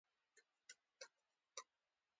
• د انګورو باغونه پراخ تولید ورکوي.